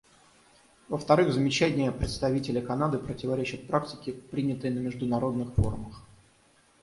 Во-вторых, замечания представителя Канады противоречат практике, принятой на международных форумах.